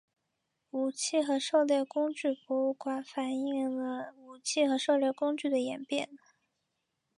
武器和狩猎工具博物馆反映了武器和狩猎工具的演变。